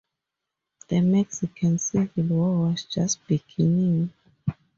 The Mexican Civil War was just beginning.